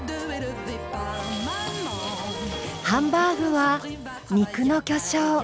ハンバーグは肉の巨匠